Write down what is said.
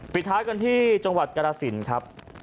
ปิดท้ายกันที่จังหวัดกรสินครับ